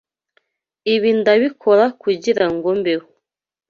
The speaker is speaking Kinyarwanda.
Ibi ndabikora kugirango mbeho.